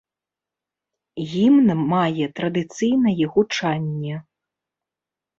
Гімн мае традыцыйнае гучанне.